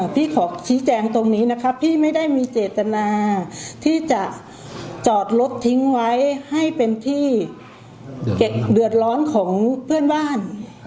พี่ขอชี้แจงตรงนี้นะคะพี่ไม่ได้มีเจตนาที่จะจอดรถทิ้งไว้ให้เป็นที่เดือดร้อนของเพื่อนบ้าน